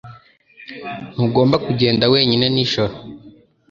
Ntugomba kugenda wenyine nijoro.